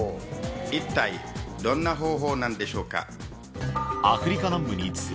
一体どんな方法なんでしょうか？